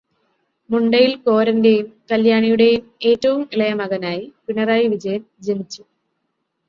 മുണ്ടയിൽ കോരന്റെയും കല്ല്യാണിയുടെയും ഏറ്റവും ഇളയ മകനായി പിണറായി വിജയൻ ജനിച്ചു.